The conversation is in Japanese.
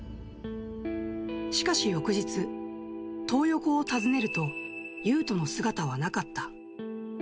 しかし翌日、トー横を訪ねると、ユウトの姿はなかった。